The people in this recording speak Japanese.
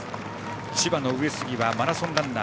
千葉の上杉はマラソンランナー。